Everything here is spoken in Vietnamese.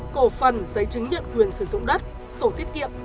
cổ phần giấy chứng nhận quyền sử dụng đất sổ tiết kiệm